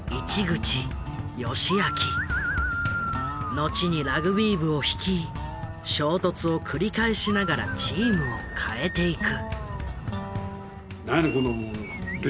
後にラグビー部を率い衝突を繰り返しながらチームを変えていく。